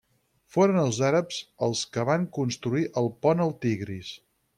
Foren els àrabs els que van construir el pont al Tigris.